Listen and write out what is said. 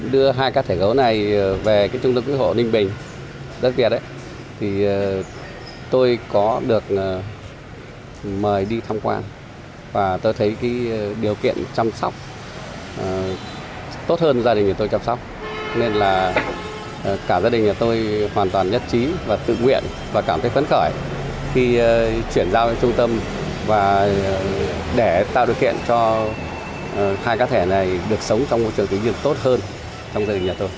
để tạo điều kiện cho hai cá thể này được sống trong môi trường kinh nghiệm tốt hơn trong gia đình nhà tôi